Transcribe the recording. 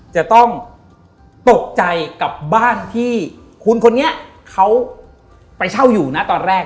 จะต้องตกใจกับบ้านที่คุณคนนี้เขาไปเช่าอยู่นะตอนแรก